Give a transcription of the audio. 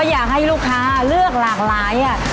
อยากให้ลูกค้าเลือกหลากหลาย